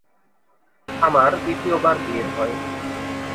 আমার দ্বিতীয়বার বিয়ে হয়।